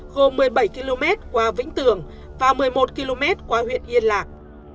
gồm một mươi bảy km qua vĩnh tường và một mươi một km qua huyện yên lạc